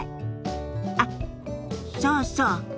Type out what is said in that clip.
あっそうそう。